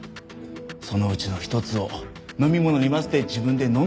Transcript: そのうちの一つを飲み物に混ぜて自分で飲んだようです。